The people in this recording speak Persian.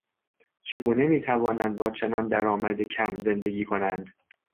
چگونه میتوانند با چنان درآمد کم زندگی کنند؟